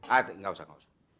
ah gak usah